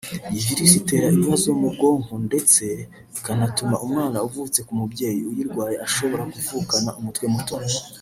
Iyi virus itera ibibazo mu bwonko ndetse ikanatuma umwana uvutse ku mubyeyi uyirwaye ashobora kuvukana umutwe muto